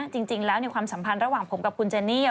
จริงแล้วความสัมพันธ์ระหว่างผมกับคุณเจนี่